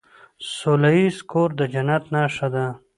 سوله ایز کور د جنت نښه ده.